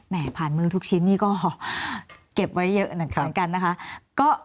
ผ่านมือทุกชิ้นนี่ก็เก็บไว้เยอะเหมือนกันนะคะ